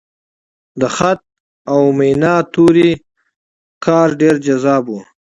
د خط او میناتورۍ کار ډېر جذاب و.